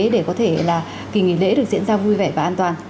để có thể là kỳ nghỉ lễ được diễn ra vui vẻ và an toàn